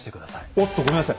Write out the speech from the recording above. おっとごめんなさい。